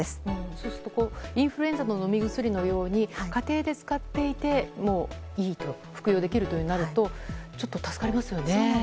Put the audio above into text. そうするとインフルエンザの飲み薬のように家庭で使ってもいいと服用できるというようになるとそうなんですよね。